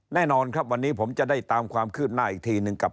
แน่นอนครับวันนี้ผมจะได้ตามความคืบหน้าอีกทีหนึ่งกับ